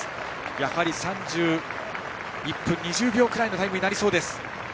やはり３１分２０秒くらいのタイムになりそうだ。